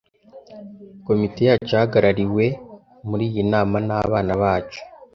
komite yacu yahagarariwe muri iyi nama nabana bacu